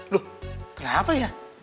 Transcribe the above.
loh kenapa ya